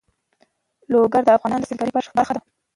لوگر د افغانستان د سیلګرۍ برخه ده.